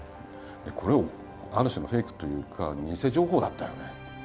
「これある種のフェイクというか偽情報だったよね。